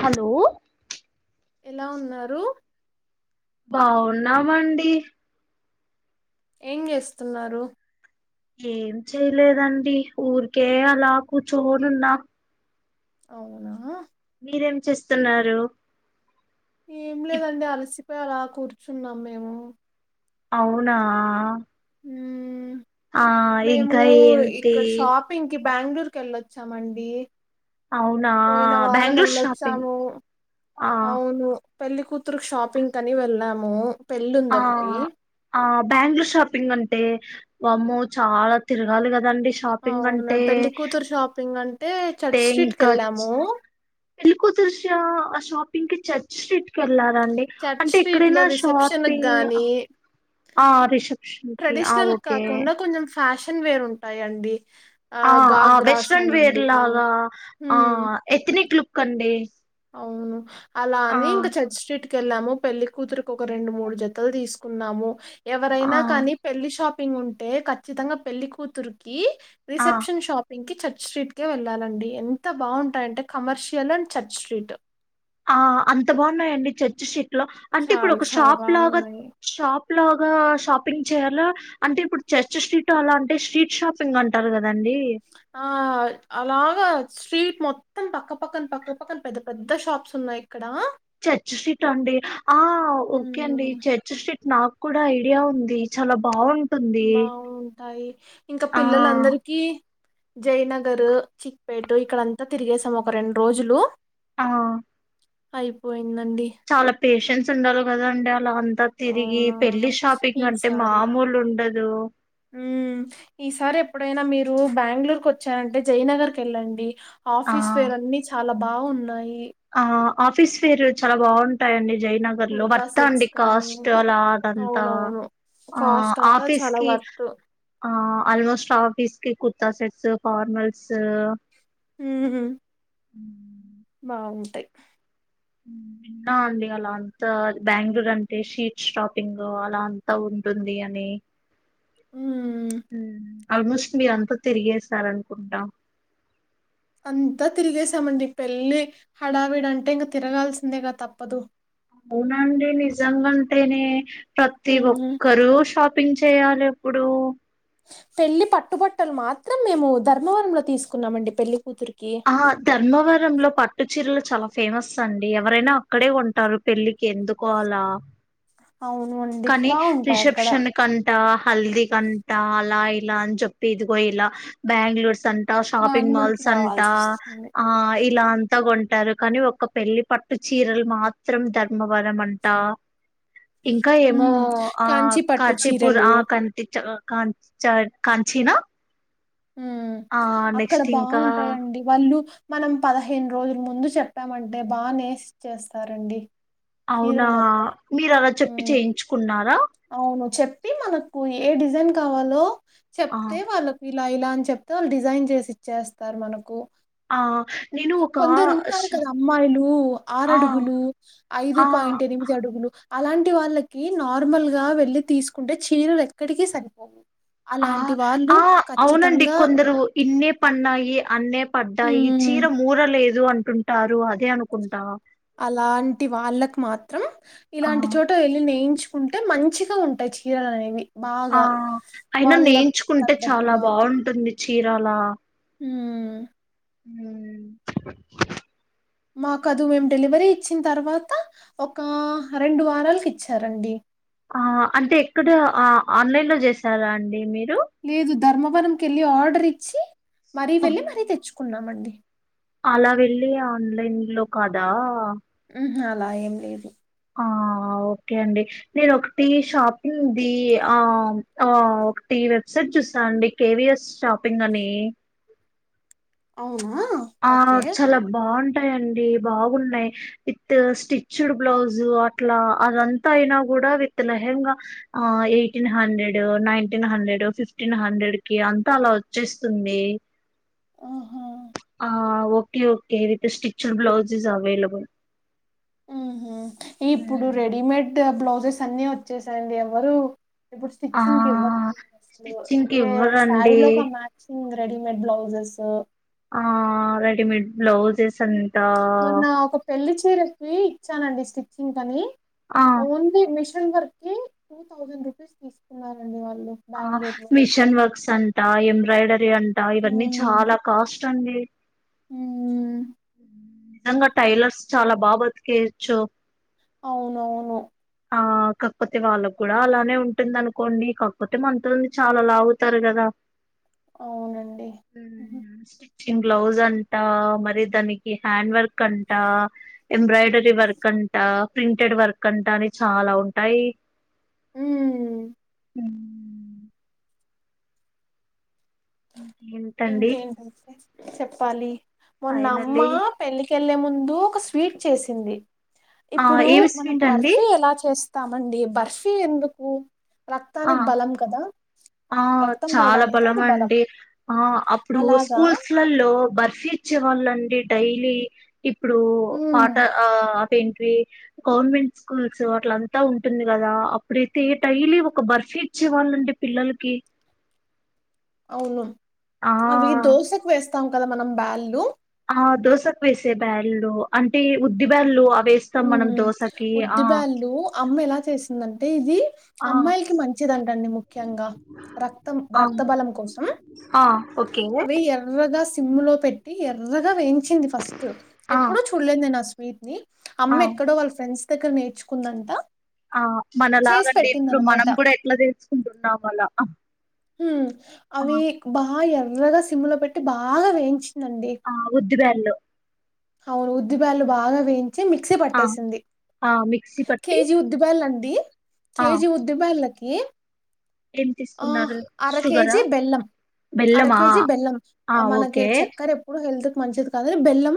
Hello ఎలా ఉన్నారు బాగున్నామండి ఏం గేస్తున్నారు ఏం చేయలేదండి ఊరికే అలా కూర్చోనున్నా అవునా మీరేం చేస్తున్నారు ఏమ్ ఇప్ లేదండి అలసిపై అలా కూర్చున్నామ్ మేము అవునా మ్మ్ ఆ మేము ఇంకా ఏంటి ఇక్కడ షాపింగ్ కి బ్యాంగ్ళూరుకి వెళ్ళొచ్చామఅండి అవునా పోయిన వారం బెంగళూరు షాపింగ్ వెళ్ళొచ్చాము ఆ అవును పెళ్ళి కూతురుకి షాపింగ్ అని వెళ్ళాము పెళ్ళి ఉంది ఒకటి బ్యాంగ్ళూరు షాపింగ్ అంటే వామ్మో చాలా తిరగాలి కదఅండి షాపింగ్ అవును అంటే పెళ్లి కూతురు షాపింగ్ అంటే టే చర్చ్ స్ట్రీట్ కి ఇంకా చ్చ వెళ్ళాము పెళ్ళి కూతురు షా అష్ షాపింగ్ కి చర్చికి ఎళ్ళాలఅండి చర్చ్ అంటే స్ట్రీట్ లో ఎక్కడైనా రిసెప్షన్ షాపింగ్ గాని ఆ రిషెప్షన్ కి ఆ ట్రెడిషనల్ ఓకే కాకుండా కొంచెం ఫ్యాషన్ వేర్ ఉంటాయ్ అండి ఆ ఆ వెస్ట్రన్ వేర్ లాగా ఆ హ్మ్. ఎథనిక్ లుక్ అండి అవును అలా ఆ అని ఇంకా చేర్చికి కేళ్ళాము పెళ్లి కూతురుకి ఒక రెండు మూడు జతలు తీసుకున్నాము ఆ ఎవరైనా కానీ పెళ్లి షాప్ పింగ్ ఉంటే కచ్చితంగ పెళ్ళికూతురుకి ఆ రిసెప్షన్ షాపింగ్ కి చర్చ్ స్ట్రీట్ గ వెళ్ళాల అండి ఎంత బావుంటాయి అంటే ఖమర్షియల్ అండ్ చర్చ్ స్ట్రీట్ ఆ అంత బాగున్నాయండి చర్చ్ షీట్ లో అంటే ఇప్పుడు చాలా ఒక చాలా షాప్ లాగా బాగున్నాయి. షాప్ లాగా షాపింగ్ చేయాల అంటే ఇప్పుడు చర్చ్ స్ట్రీట్ అలా అంటే స్ట్రీట్ షాపింగ్ అంటారు కదా ఆ అలాగా స్వీట్ మొత్తం పక్కపక్కన పక్క పక్కన పెద్ద పెద్ద షాప్స్ ఉన్నాయి ఇక్కడ చర్చ్ స్ట్రీట్ అండి ఆ ఓకే అండి హ్మ్. చర్చ్ స్ట్రీట్ నాకు కూడా ఐడియా ఉంది చాలా బావుంద్ బాగుంటాయి ఇంకా ఆ పిల్లల అందరిక జయ్ నగరు చిక్పేట్ ఇక్కడ అంతా తిరిగేసామ్ ఒక రెండు రోజులు ఆ అయిపోయి చాలా పేషన్స్ ఉండాలి కదా అండి అ లా అంతా తిరిగి అవునవును. పెళ్లి షాపింగ్ అంటే మామూలు ఉండదు ఉమ్ ఈసారి ఎప్పుడైనా మీర్ రు బ్యాంగ్ళూరుకి వచ్చానంటే జయ్ నగర్ కి ఎళ్ళండి ఆ ఆఫీస్ వేర్ అన్ని చాలా బాగున్నాయి ఆ ఆఫీస్ ఫేర్ చాలా బావుంటాయ అండి జై నగర్ లో కుర్తా వర్తా సెట్స్ అండి కానీ కాస్ట్ అలాదంతా అవునవును. ఆ కాస్ట్ అంతా ఆఫీస్ చాలా కి వర్త్. ఆ ఆల్మోస్ట్ ఆఫీస్ కి కుర్తా సెట్స్ ఫార్మల్స్ ఉహు ఉ బావుంటాయి నా అంది అలాత్ బ్యాంగ్ళూరు అంటే షీట్ షాపింగ్ అలా అంతా ఉ టుంది అని హ్మ్. ఆల్మోస్ట్ మీర్ అంతా తిరిగేశార్ అనుకుంటా అంతా తిరిగేశామ అండి పెళ్లిి హడావిడే అంటే ఇంక తిరగాల్సిందేగా తప్పదు అవున అండి నిజంగ అంటేనే ప్రతి మ్మ్ ఒక్కరు షాప్ ప్పింగ్ చేయాలి ఎప్పుడు పెళ్లి పట్టుబట్టలు మాత్రం మేము ధర్మవరంలో తీసుకున్నామ అండి పెళ్లి కూతురు ఆహ ధర్మవరంలో పట్టు చీరలు చాలా ఫేమస్ అండి ఎవరైనా అక్కడే కొంటారు పెళ్ళి ఎందుకో అలా అవును అండి కానీ బాగుంటాయి అక్కడ రిసెప్షన్ కంటా హల్దీ కంటా అలాయి ఇలా అని చెప్పి ఇదిగో ఇలా బ్యాంగ్ళూర్ సంత్ టా షాపింగ్ బెంగళూరుకి మాల్స్ అంటా రావాల్సి వస్తుంది ఆ ఈ ఇలా అంతా కొంటారు కానీ ఒక్క పెళ్లిి పట్టు చీరలు మాత్రం ధర్మవరం అంటా ఇంకా ఏమో మ్మ్ ఆ కాంచి పట్టు కాచీపూర్ చీరలు ఆ కంటి చల్ అ కంచ కంచినా ఉ్మ్ అక్కడ ఇంకా బాగుంటాయండి వాళ్ళు మనం పదిహేను రోజుల ముందు చెప్పామంటే బాగానేసి చేస్తారండి అవునా మీరు అలా చెప్పి మ్మ్ చేయించుకున్నారా అవును చెప్పి మనకు ఏ డిజైన్ కావాలో ఆ చెప్తే వాళ్ళకు ఇలా ఇలా అని చెప్తే వాళ్ళు డిజైన్ చేసి ఇచ్చేస్తారు మనకు ఆ నేను ఒక కొందరు ఉంటారు ష్- కదా అమ్మాయిలు ఆరు ఆ అడుగులు ఐదు ఆ పాయింట్ ఎనిమిది అడుగులు అలాంటి వాళ్ళకి నార్మల్గా వెళ్ళి తీసుకుంటే చీరలు ఎక్కడికి సరిపోవు ఆ అలాంటి వాళ్ళు ఆ అవునండి ఖచ్చితంగా కొందరు ఇన్నే పన్నాయి అన్నే పడ్డాయి మ్మ్, చీర మూరలేదు అంటుంటారు అదే అనుకుంటా అలాంటి వాళ్ళకు మాత్రం ఆ ఇలాంటి చోట వెళ్ళి నేయించు కుంటే మంచిగా ఉంటాయి చీరలు అనేవి ఆ బాగా అయినా వాళ్ళకి నేంచుకుంటే చాలా తగ్గట్టుగా బాగుంటుంది చీరాల హ్మ్ హ్మ్ మాకు అదు మేము డెలివరీ ఇచ్చిన తర్వాత ఒక రెండు వారాలకు ఇచ్చారండి ఆ అంటే ఎక్కడ ఆ ఆన్లైన్ లో చేసారా అండి మీరు లేదు ధర్మవరం కెళ్ళి ఆర్డర్ ఇచ్చి మరీ వెళ్ళి మరీ తెచ్చుకున్నామండి అలా వెళ్ళి ఆన్లైన్ లో కాదా ఆహా అలా ఏం లేదు ఆ అవు ఓకే అండి నేను ఒకటి షాపింగ్ది ఆ ఆ ఒకటి వెబ్సైట్ చూ సా అండి కేవిఎస్ షాపింగ్ అని అవునా ఆ ఓకే చాలా బాగుం టాయండి బాగున్నాయి విత్ స్టిచ్డ్ బ్లౌజు అట్లా అదంతా అయినా కూడా కూడా విత్ లేహేంగా ఆ eighteen hundred nineteen hundred fifteen hundred కి అంతా అలా వచ్చేస్తుంది ఆహా ఆ okay okay with stitched blouses available ఆహ ఇప్పుడు రెడీమేట్ బ్లౌజెస్ అన్ని వచ్చేసాయండి ఎవరు ఇప్పుడు ఆ స్టిచ్చింగ్ కి ఇవ్వడం లేదు అసలు స్టిచ్చింగ్ కి ఏ శారీ ఇవ్వరండి లో ఒక మ్యాచింగ్ రెడిమేడ్ బ్లౌజెస్ ఆ రెడిమేడ్ బ్లౌజెస్ అంత మొన్న ఒక పెళ్లి చీరకి ఇచ్చానండి స్టిచ్చింగ్ కి అని ఆ ఓన్లీ మి వర్క్ కి టూ థౌసండ్ రూపీస్ తీసుకున్నారండి వాళ ఆ మిషన్ వర్క్స్ అంట ఎంబ్రాయిడరీ అంటా ఇవన్నీ చాలా కాస్ట్ అండి ఉమ్మ్ నిజంగా టైలర్స్ చాలా బాగా బతికేయోచ్చు అవునవును ఆ కాకపోతే వాళ్ళ కూడా అలానే ఉంటుంది అనుకోండి కాకపోతే మనంతంది చాలా లాగుతారు కదా అవునండి మ్యాచింగ్ బ్లౌజ్ అంట మరి దానికి హ్యాండ్ వర్క్ అంట ఎంబ్రాయిడరీ వర్క్ అ అంట ప్రింటెడ్ వర్క్ అంటా అని చాలా ఉంటాయి ఉమ్మ్ హ్మ్ ఇంకేంటండి ఇంకేంటి చెప్పాలి మొన్న అమ్మ ఫైనల్లీ పెళ్లికెళ్లే ముందు ఒక ఫీట్ చేసింది ఆ ఇప్పుడు ఏమి మనం స్వీట్ అండి బర్సు ఎలా చేస్త తమండి బర్ఫీ ఎందుకు ఆ రక్తానికి బలం కదా ఆ రక్తం చాలా పడడానికి బలం అది అండి ఆ ఆ అప్పుడు అలాగా స్కూల్స్లలో బర్ఫీ ఇచ్చే వాళ్ళండి డైలీ ఇప్పుడు ఉమ్, పాట ఆ [unintelligible] గవర్నమెంట్ స్కూల్స్ అట్ల అంతా ఉంటుంది కదా అప్పుడైతే టైలీ ఒక బర్ఫీ ఇచ్చేవాళ్ళండి పిల్లలకి అవును ఆ అవి దోశకు వేస్తాం కదా మనం బ్యాలు ఆ దోశకి వేసే బ్యాల్లు అంటే ఉద్ది బ్యాలు హ్మ్ ఉద్దిబ్యాలు అమ్మ ఎలా చేసిందంటే ఇది ఆ అమ్మాయిలకి మంచి మంచిదంటండి ముఖ్యంగా రక్తం ఆ రక్త బలం కోసం ఆ ఓకే అవి ఎర్రగాస్ సిమ్ లో పెట్టి ఎర్రగా వేయించింది ఫస్ట్ ఆ ఎప్పుడో చూడలేద స్వీట్ ని ఆ అమ్మ ఎక్కడో వాళ్ళ ఫ్రెండ్స్ దగ్గర నేర్చుకుందంట ఆ చేసి మనలాగండి ఇప్పుడు మనం పెట్టిందనమాట. కూడా ఎట్లా తెచుకుంటున్నాం అలా హ్మ్ అవి బాగా ఎర్రగా సిమ్లో పెట్టి బాగా వేయించి ఆ ఉద్దిబ్యాలు అవును ఉద్దిబ్యాళ్లు బాగా వేయించి మిక్సీ ఆ పట్టేసింది ఆ మిక్సీ పట్టి కేజీ ఉద్దిబ్యాలండి ఆ కేజీ ఉద్దిబ్యాలకి ఏం ఆ తీసుకున్నారు అర షుగరా కేేజీ బెల్లం అర బెల్లమా కేజీ బెల్లం ఆ మనకి ఓకే చక్కెర ఎప్పుడు హెల్త్ కి మంచిది కాదని బెల్లం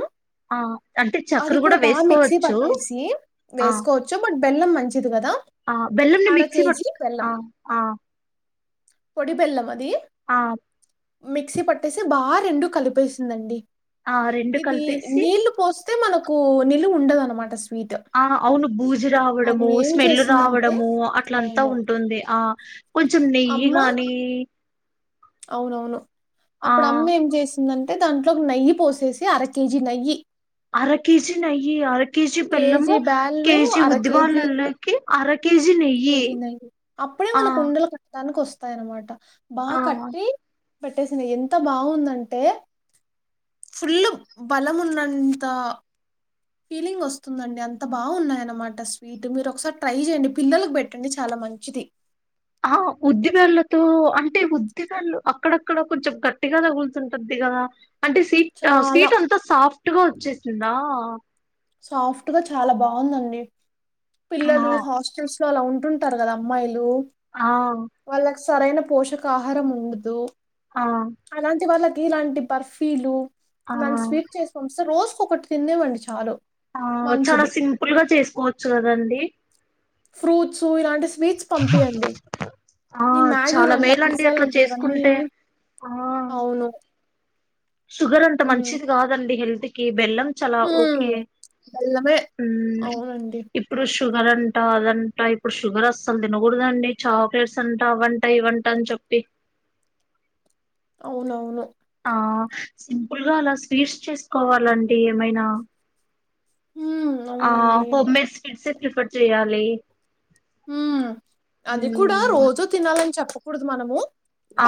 ఆ అంటే అది చక్కెర కూడా బా మిక్సీ వేసుకోవచ్చు పట్టేసి ఆ వేసుకోవచ్చు బట్ బెల్లం మంచి ఇదుకదా ఆ బెల్లంని అర మిక్సీ కేేజీ పట్ బెల్లం ఆ ఆ పొడి బెల్లం అది ఆ మిక్సీ పట్టేసి బాగా రెండు కలిపేసిందండి ఆ రెండు ఇది కలిపేసి నీళ్లు పోస్తే మనకు నిలువా ఉండదు అనమాట స్వీ ఆ అవును బూజి రావడము ఏం స్మెల్ చేసిందంటే రావడము అట్లంతా అవును ఉంటుంది ఆ కొంచం నెయ్యి గానీ అవునువును అప్పుడు అమ్మ ఏం చేసి ఎందంటే దాంట్లో నెయ్యి పోసేసి అర కేజీ నెయ్యి అర కేజీ నేయ్యి అర కేజీ బెల్లము బ్యాళ్ళు కేజీ అర కేజీ ఉద్దిబ్యాలల్లోకి అర కేజీ నెయ్యి కేజీ నెయ్యి అప్పుడే ఆ మనకు ఉండలు కట్టడానికి వస్తాయి అన్నమాట ఆ బాగా కట్టి పెట్టేసినే ఎంత బాగుందంటే ఫుల్ బలమున్నంత ఫీలింగ్ వస్తుందండి అంత బాగున్నాయ అన్నమాట స్వీట్ మీరు ఒకసారి ట్రై చేయండి పిల్లలకు పెట్టండి చాలా మంచిది ఆ ఉద్దిబ్యాలతో అంటే ఉద్దిబ్యాలు అక్కడక్కడ కొంచెం గట్టిగా తగులుతుంటది ఇగ అంటే స్వీట్ చాలా స్వీట్ అంత సాఫ్ట్ గా వచ్చేసిందా సాఫ్ట్ గా చాలా బాగుందండి ఆ పిల్లలు హాస్టల్స్ ఇంట్లో అలా ఉంటుంటారు కదా అమ్మాయిలు ఆ వాళ్ళకి సరైన పోషక ఆహారం ఉండదు ఆ అలాంటి వాళ్ళకి ఇలాంటి బర్ఫీలు ఆ ఇలాంటి స్వీట్ చేసి పంపిస్తే రోజు ఒకటి తినివండి చాలు ఆ చాలా మంచిది. సింపుల్ గా చేసుకోవచ్చు కదండి ఫ్రూట్స్ ఇలాంటి స్వీట్స్ పంపియండి ఆ ఈ చాలా మ్యాగీలంట మేలండి అట్లా పిజ్జాలంటా ఇవన్నీ చేసుకుంటే ఆ అవును షుగర్ అంత హ్మ్. మంచిది కాదండి హెల్త్ కి బెల్లం చల హ్మ్. ఓకే బెల్లమే. హ్మ్ అవునండి ఇప్పుడు షు షుగర్ అంట అదంటా ఇప్పుడు షుగర్ అసలు తినకూడదండి చాక్లెట్స్ అంట అవంట ఇవంటా అని చోప్ పి అవునవును ఆ సింపుల్ గా అలా స్వీట్స్ చేసుకోవాలండి ఏమైనా హ్మ్. ఆ అవునండి. హోమ్ మేడ్ స్వీట్ సే ప్రిఫర్ చేయాలి హు అది కూడా హ్మ్. రోజూ తినాలని చెప్పకూడదు మనము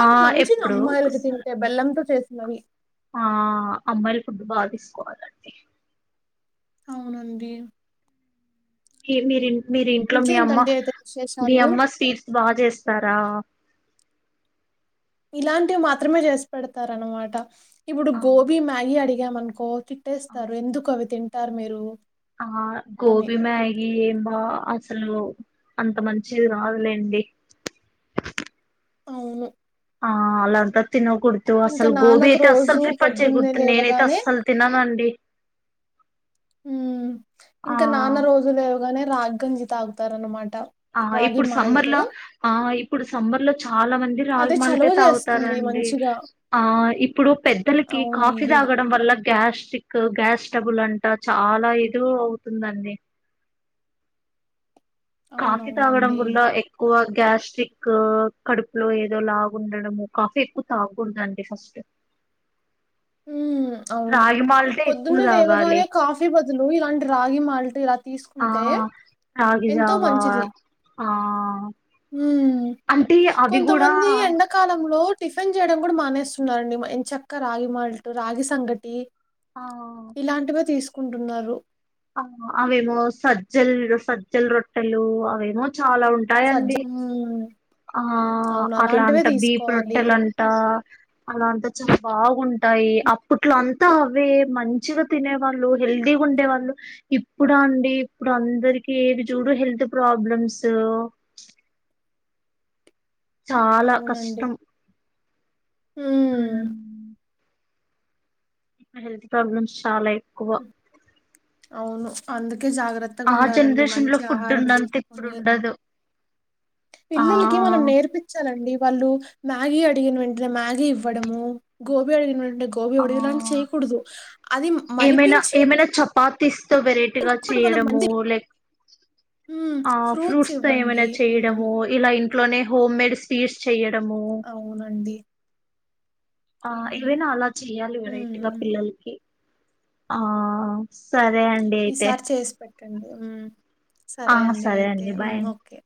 ఆ మంచిది ఎప్పుడు అమ్మాయిలకి ఒకసారి తింటే బెల్లంతో చేసినవి ఆ అమ్మాయిలు ఫుడ్ బాగా తీసుకోవాలండి అవున అండి మీ మీరు మీరు ఇంట్లో మీ అమ్మ ఇంకేంటండి అయితే మీ విశేషాలు? అమ్మ స్వీట్స్ బాగా చేస్తారా ఇలాంటివి మాత్రమే చేసి పెడతారు అన్నమాట ఇప్పుడు అవును గోబీ మ్యాగీ అడిగాము అనుకో అవును. తిట్టేస్తారు ఎందుకు అవి తింటారు మీరు ఆ అని. గోభి మ్యాగీ ఎం బా అస అసలు అంత మంచిది కాదులేండి అవును ఆ అలాంత తినకూడదు ఇంకా అసలు గోబీ నాన్నకు అయితే అస్సలు రోజు ప్రిఫర్ పొద్దున్నే చేయకూడదు నేను అయితే లేవగానే అస్సలు తిననండి హు ఆ ఇంకా నాన్న రోజు లేవగానే రాగి గంజి తాగుతారు అన్నమాట ఆ ఇప్పుడు సమ్మర్ లో ఆ ఇప్పుడు సమ్మర్ లో చాలా మంది రాగి అదే మల్టీ చలువ తాగుతారు అ చేస్తుంది అండి మంచిగా. ఆ ఇప్పుడు పెద్దలకి కాఫీ అవునండి. తాగడం వల్ల గ్యాస్క్ గ్యాస్ డబుల్ అంటా చాలా ఇద అవుతుందండి కాఫీ తాగడం అవునవునండి. వల్ల ఎక్కువ గ్యాస్ట్రిక్ కడుపులో ఏదో లాగ ఉండడము కాఫీ ఎక్కువ తాగుదండి ఫస్ట్ హ్మ్. అవును రాగి మాల్టే ఎక్కువ పొద్దున్నే తాగాలి లేవగానే కాఫీ బదులు ఇలాంటి రాగి మాల్ట్ ఇలా ఆ తీసుకుంటే రాగి జావా ఆ ఉ అంటే అవి కూడా కొంతమంది ఎండాకాలంలో టిఫిన్ చేయడం కూడా మానేస్తున్నారండి ఎం చక్క రాగి మాల్ట్ రాగి సంగటి ఆ ఇలాంటివే తీసుకుంటున్నారు ఆ అవేమో సజ్జల్ సజ్జల్ రొట్టెలు అవేమో చాలా సజ్జ ఉంటాయండి హ్మ్. ఆ అవును. అట్లా అలాంటివే అంట బీపు తీసుకోవాలి. రొట్టలు అంట అలా అంతా చాలా బాగుంటాయి అప్పట్లో అంతా అవే మంచిగా తినే వాళ్ళు రోజు హెల్తీగా ఉండే వాళ్ళు ఇప్పుడు అండి ఇప్పుడు అందరికి ఏది చూడు హెల్త్ ప్రాబ్లమ్స్ తు చాలా అవునండి. కష్టం హు హ్మ్. ఇప్పుడు హెల్త్ ప్రాబ్లమ్స్ చాలా ఎక్కువ అవును అందు అందుకే జాగ్రత్తగా ఆ ఉండాలండి జనరేషన్ లో మంచి ఫుడ్ ఆహారం ఉన్నంత ఇప్పుడు తీసుకొని ఉండదు ఆ పిల్లలకి మనం నేర్పించాలండి వాళ్ళు మ్యాగీ అడిగిన వెంటనే మ్యాగీ ఇవ్వడము గోబీ అడిగిన వెంట అంటే గోబీ ఆ అడిగిలాంటి చేయకూడదు అది మరిపించి పాతిస్ తో వెరైటీగా ఇంకొకటి మనం చేయడము మంచిది. లెక్ హ్మ్. ఆ ఫ్రూట్స్ తో ఏమైనా ఇవ్వండి. హ్మ్. చేయడము ఇలా ఇంట్లోనే హోమ్ మేడ్ స్వీట్స్ చెయ అవునండి ఆ అవును. ఏవైనా అలా చెయాలి వెరైటీగా హ్మ్. పిల్లలకి ఆ సరే అండి అయితే ట అండి హు ఆ సరే అండి అయితే హు బాయ్ అండి ఓకే